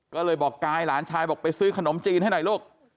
ก็เลยบอกกายหลานชายบอกไปซื้อขนมจีนให้หน่อยลูก